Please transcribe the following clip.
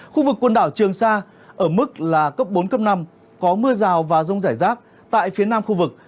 khu vực quần đảo trường sa ở mức là cấp bốn cấp năm có mưa rào và rông rải rác tại phía nam khu vực